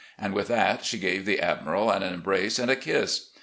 And with that she gave the Admiral an embrace and a kiss.